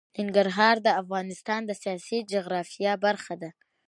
ننګرهار د افغانستان د سیاسي جغرافیه برخه ده.